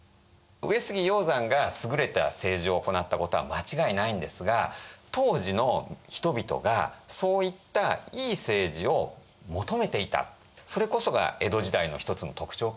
上杉鷹山が優れた政治を行ったことは間違いないんですが当時の人々がそういったいい政治を求めていたそれこそが江戸時代の一つの特徴かなと思います。